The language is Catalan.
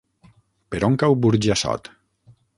Per on cau Burjassot?